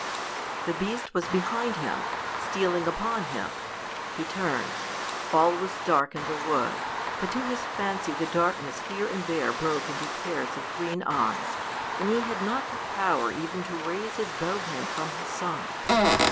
The beast was behind him stealing upon him! He turned. All was dark in the wood, but to his fancy the darkness here and there broke into pairs of green eyes, and he had not the power even to raise his bow hand from his side.